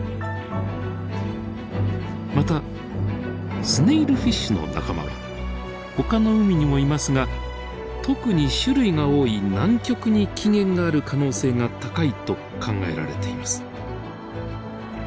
またスネイルフィッシュの仲間はほかの海にもいますが特に種類が多い南極に起源がある可能性が高いと考えられています。